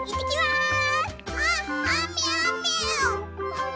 うん。